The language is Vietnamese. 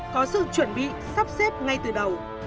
có sự chuẩn bị sắp xếp ngay từ đầu